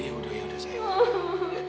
ya udah ya udah sayang